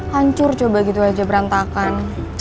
hancur coba gitu aja berantakan